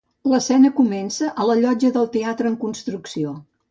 L'escena comença a la llotja del teatre en construcció.